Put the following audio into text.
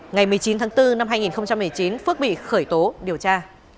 ngày một mươi chín tháng bốn năm hai nghìn một mươi chín phước bị khởi tố điều tra